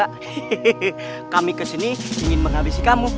hehehe kami kesini ingin menghabisi kamu